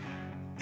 え！